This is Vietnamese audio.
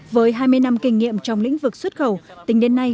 với hai mươi năm kinh nghiệm trong lĩnh vực xuất khẩu tính đến nay